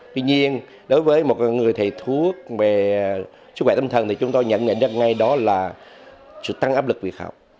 tuy nhiên đối với một người thầy thuốc về sức khỏe tâm thần thì chúng tôi nhận nhận ra ngay đó là sự tăng áp lực việc học